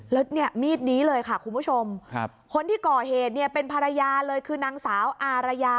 แล้วเนี่ยมีดนี้เลยค่ะคุณผู้ชมคนที่ก่อเหตุเนี่ยเป็นภรรยาเลยคือนางสาวอารยา